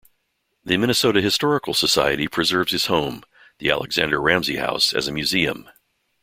The Minnesota Historical Society preserves his home, the Alexander Ramsey House as a museum.